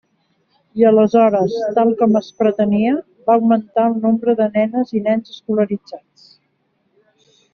I aleshores, tal com es pretenia, va augmentar el nombre de nenes i nens escolaritzats.